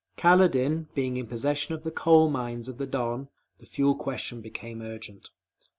Kaledin being in possession of the coal mines of the Don, the fuel question became urgent.